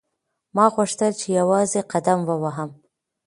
ما غوښتل چې یوازې قدم ووهم.